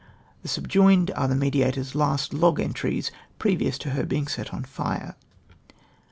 The subjoined are the Mediatofs last log entries previous to her being set on lire.